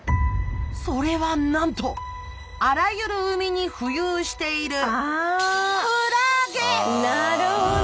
それはなんとあらゆる海に浮遊しているあなるほど。